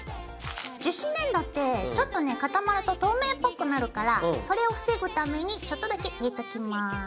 樹脂粘土ってちょっとね固まると透明っぽくなるからそれを防ぐためにちょっとだけ入れときます。